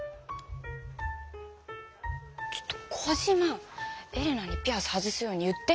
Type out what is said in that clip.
ちょっとコジマエレナにピアス外すように言って！